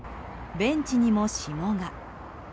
ベンチにも霜が。